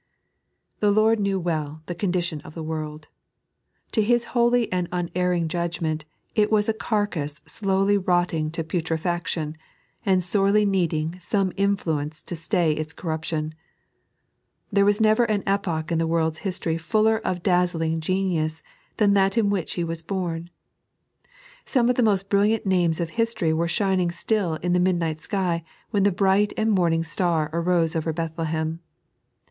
The Lord knew well the condition of the world. To His holy and unerring judgment it was a carcase slowly rotting to putrefaction, and sorely needing some influence to stay its corruption. There was never an epoch in the world's history fuller of dazzling genius than that in which He was bom. Some of the most brilliant names of history were shining still in the midnight sky when the bright and morning star arose over Bethlehem.